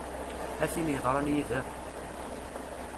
A tin yeḍran yid-m!